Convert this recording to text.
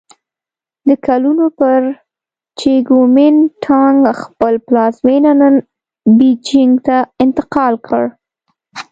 د کلونو پر چې ګومین ټانګ خپل پلازمېنه نن بیجینګ ته انتقال کړ.